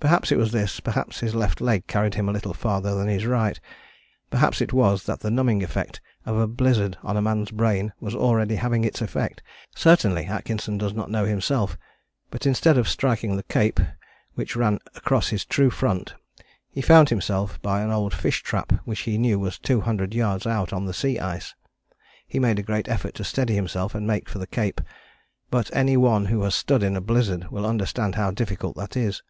Perhaps it was this, perhaps his left leg carried him a little farther than his right, perhaps it was that the numbing effect of a blizzard on a man's brain was already having its effect, certainly Atkinson does not know himself, but instead of striking the Cape which ran across his true front, he found himself by an old fish trap which he knew was 200 yards out on the sea ice. He made a great effort to steady himself and make for the Cape, but any one who has stood in a blizzard will understand how difficult that is.